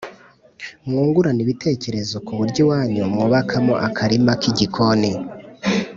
mwungurane ibitekerezo ku buryo iwanyu mwubakamo akarima k’igikoni.